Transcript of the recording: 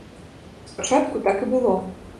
Спачатку так і было.